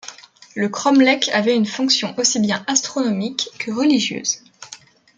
Le cromlech avait une fonction aussi bien astronomique que religieuse.